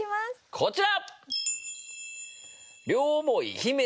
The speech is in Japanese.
こちら！